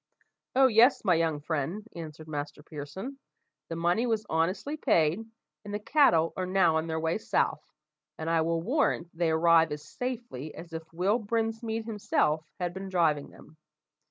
"Oh, yes, my young friend," answered Master Pearson, "the money was honestly paid, and the cattle are now on their way south, and I will warrant they arrive as safely as if Will Brinsmead himself had been driving them.